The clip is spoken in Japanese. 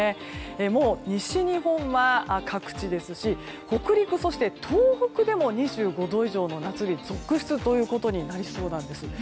もう西日本は各地ですし北陸そして東北でも２５度以上の夏日が続出となりそうです。